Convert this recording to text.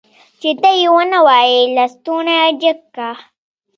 چې ته يې ونه وايي لستوڼی جګ که.